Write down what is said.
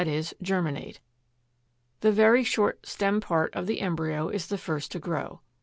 e. germinate. The very short stem part of the embryo is the first to grow.